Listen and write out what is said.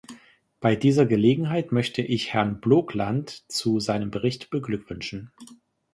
Bei dieser Gelegenheit möchte ich Herrn Blokland zu seinem Bericht beglückwünschen.